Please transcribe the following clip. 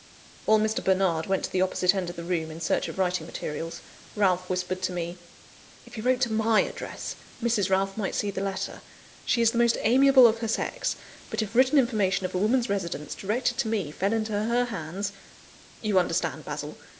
While Mr. Bernard went to the opposite end of the room, in search of writing materials, Ralph whispered to me "If he wrote to my address, Mrs. Ralph might see the letter. She is the most amiable of her sex; but if written information of a woman's residence, directed to me, fell into her hands you understand, Basil!